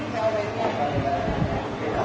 ขอบคุณครับ